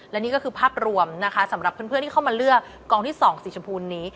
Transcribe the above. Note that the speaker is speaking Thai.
และนี่ก็คือภาพรวมนะคะสำหรับเพื่อนที่เข้ามาเลือกกองที่๒สีชมพูนี้